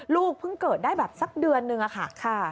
ลูกเพิ่งเกิดได้แบบสักเดือนนึงอะค่ะ